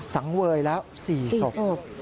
สังเวยแล้ว๔ศพ